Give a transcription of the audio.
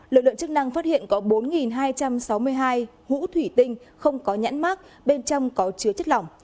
lực lượng chức năng phát hiện có bốn hai trăm sáu mươi hai hũ thủy tinh không có nhãn mát bên trong có chứa chất lỏng